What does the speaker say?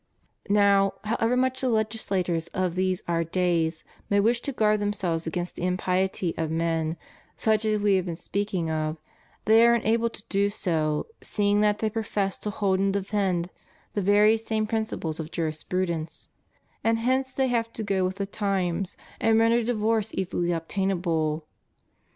Now, however much the legislators of these our days may wish to guard themselves against the impiety of men such as we have been speaking of, they are unable to do so, seeing that they profess to hold and defend the very same principles of jurisprudence; and hence they have to go with the times, and render divorce easily obtainable.